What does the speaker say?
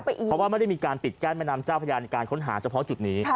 เพราะว่าไม่ได้มีการปิดกั้นแม่น้ำเจ้าพญาในการค้นหาเฉพาะจุดนี้